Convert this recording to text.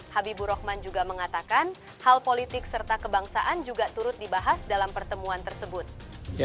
habibur rahman juga mengatakan hal politik serta kebangsaan juga turut dibahas dalam pertemuan tersebut